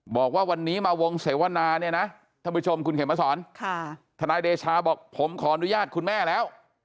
บอกว่าวันนี้มาวงเสวนาเนี่ยนะท่านผู้ชมคุณเขมสอนทนายเดชาบอกผมขออนุญาตคุณแม่แล้ว